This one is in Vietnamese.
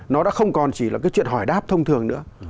nó đã không còn chỉ là cái chuyện hỏi đáp thông thường nữa